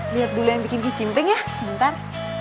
lihat dulu yang bikin kucing bing ya sebentar